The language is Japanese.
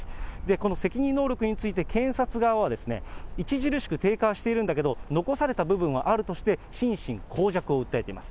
この責任能力について検察側は、著しく低下はしているんだけれども、残された部分はあるとして、心神耗弱を訴えています。